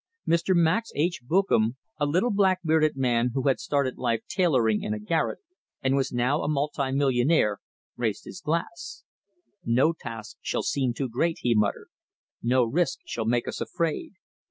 Mr. Max H. Bookam, a little black bearded man who had started life tailoring in a garret, and was now a multi millionaire, raised his glass. "No task shall seem too great," he muttered. "No risk shall make us afraid.